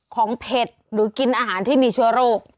เผ็ดหรือกินอาหารที่มีเชื้อโรค